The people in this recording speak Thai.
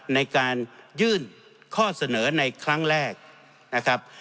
ในการยื่นข้อเสนอในครั้งแรกนะครับ